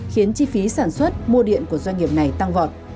khiến chi phí sản xuất mua điện của doanh nghiệp này tăng vọt